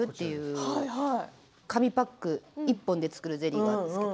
紙パック１本で作るゼリーなんですけれど。